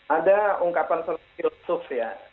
ada ungkapan filsuf ya